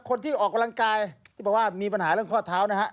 คนที่ออกกำลังกายที่บอกว่ามีปัญหาเรื่องข้อเท้านะฮะ